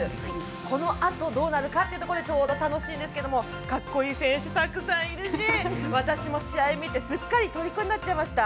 このあとどうなるかということでちょうど楽しみですが格好いい選手、たくさんいるんで私も試合見てすっかりとりこになっちゃいました。